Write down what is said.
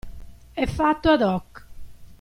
E' fatto ad hoc.